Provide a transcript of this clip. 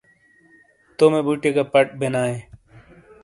تومے بُٹئیے گہ پَٹ بینائیے۔